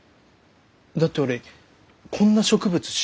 だって俺こんな植物知らない。